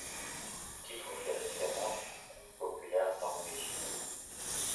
Le titre fait référence à un conte populaire norvégien.